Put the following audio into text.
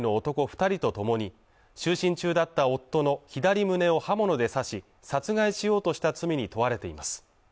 二人とともに就寝中だった夫の左胸を刃物で刺し殺害しようとした罪に問われています